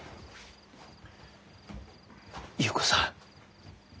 優子さん